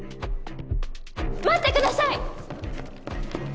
待ってください！